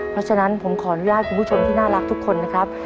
เพราะฉะนั้นผมขออนุญาตคุณผู้ชมที่น่ารักทุกคนนะครับ